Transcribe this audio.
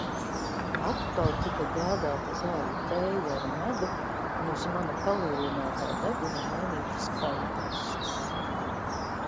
Atkal tika gādāta zāļu tēja ar medu un uz mana palielinātā deguna mainītas kompreses.